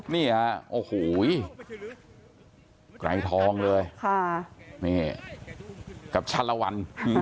นี่หลายทองเลยกับชะละวัน